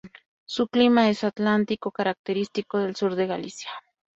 Su clima es atlántico, característico del sur de Galicia.